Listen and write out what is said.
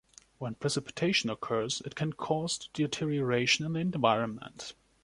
When precipitation occurs, it can caused deterioration in the environment.